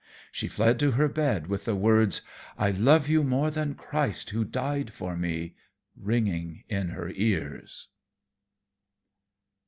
She fled to her bed with the words, "I love you more than Christ, who died for me!" ringing in her ears.